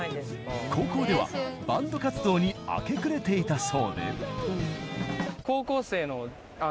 高校ではバンド活動に明け暮れていたそうで。